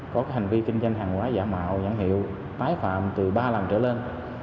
có hành vi kinh doanh hàng hóa giả mạo nhãn hiệu tái phạm từ ba lần trở lên